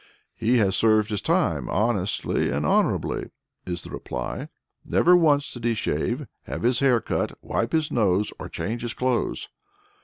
"He has served his time honestly and honorably," is the reply. "Never once did he shave, have his hair cut, wipe his nose, or change his clothes."